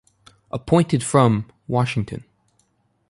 Appointed from: Washington.